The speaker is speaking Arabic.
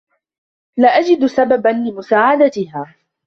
لا أجد سببا لمساعدتها.